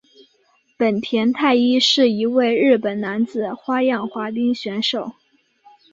本田太一是一位日本男子花样滑冰选手。